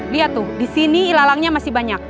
lihat tuh disini ilalangnya masih banyak